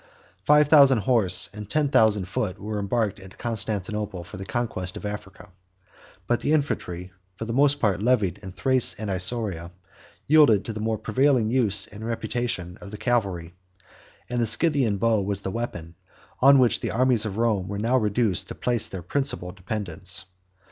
Five thousand horse and ten thousand foot were embarked at Constantinople, for the conquest of Africa; but the infantry, for the most part levied in Thrace and Isauria, yielded to the more prevailing use and reputation of the cavalry; and the Scythian bow was the weapon on which the armies of Rome were now reduced to place their principal dependence.